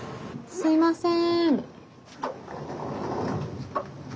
すいません。